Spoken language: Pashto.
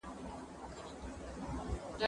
زه به د ليکلو تمرين کړی وي!!